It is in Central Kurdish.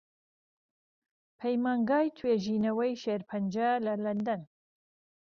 پەیمانگای توێژینەوەی شێرپەنجە لە لەندەن